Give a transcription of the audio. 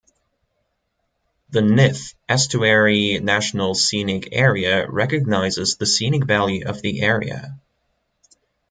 The Nith Estuary National Scenic Area recognises the scenic value of the area.